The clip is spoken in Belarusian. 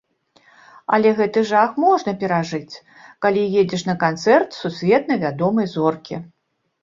Але гэты жах можна перажыць, калі едзеш на канцэрт сусветна вядомай зоркі.